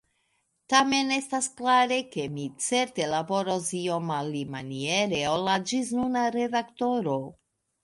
Tamen estas klare, ke mi certe laboros iom alimaniere ol la ĝisnuna redaktoro.